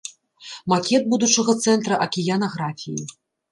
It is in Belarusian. Макет будучага цэнтра акіянаграфіі.